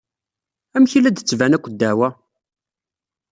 Amek i la d-tettban akk ddeɛwa?